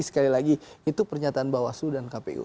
sekali lagi itu pernyataan bawaslu dan kpu